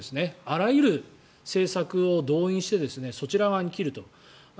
あらゆる政策を動員してそちら側に切ると。